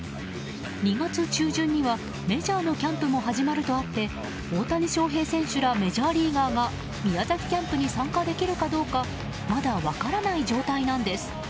２月中旬にはメジャーのキャンプも始まるとあって大谷翔平選手らメジャーリーガーが宮崎キャンプに参加できるかどうかまだ分からない状態なんです。